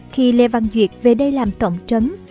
khi lê văn duyệt về đây làm tổng trấn